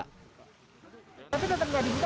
tapi tetap nggak dibuka